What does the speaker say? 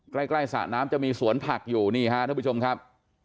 ใกล้สระน้ำจะมีสวนผักอยู่นี่ฮะท่านผู้ชมครับ